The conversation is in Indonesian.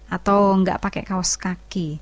atau nggak pakai kaos kaki